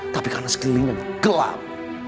tapi karena sekelilingnya gelap